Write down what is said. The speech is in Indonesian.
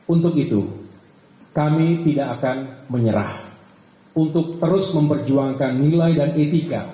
untuk itu kami tidak akan menyerah untuk terus memperjuangkan nilai dan etika